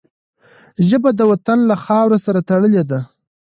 ژبه د وطن له خاورو سره تړلې ده